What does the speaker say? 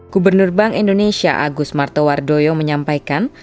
gubernur bank indonesia agus martowardoyo menyampaikan